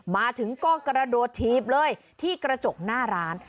มาถึงก็กระโดดถีบเลยที่กระจกหน้าร้าน